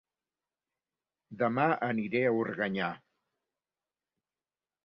Dema aniré a Organyà